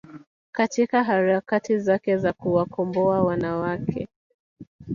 katika harakati zake za kuwakomboa wanawake